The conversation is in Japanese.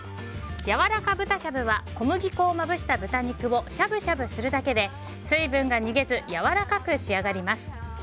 やわらか豚しゃぶは小麦粉をまぶした豚肉をしゃぶしゃぶするだけで水分が逃げずやわらかく仕上がります。